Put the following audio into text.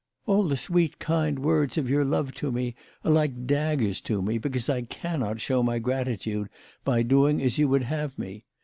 All the sweet kind words of your love to me are like daggers to me, because I cannot show my gratitude by doing as you would have me.